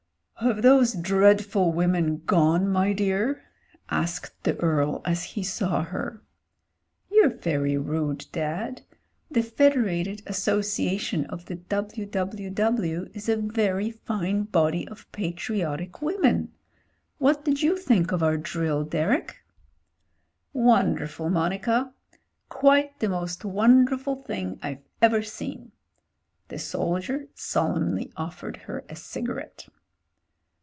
"Have those dreadful women gone, my dear?" asked the Earl as he saw her. "You're very rude, Dad. The Federated Associa tion of the W.W.W. is a very fine body of patriotic women. What did you think of our drill, Derek ?" "Wonderful, Monica. Quite the most wonderful thing I've ever seen." The soldier solemnly offered her a cigarette.